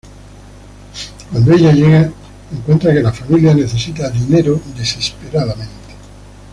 Cuando ella llega, encuentra que la familia necesita dinero desesperadamente.